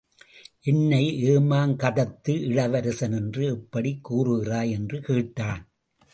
என்னை ஏமாங்கதத்து இளவரசன் என்று எப்படிக் கூறுகிறாய் என்று கேட்டான்.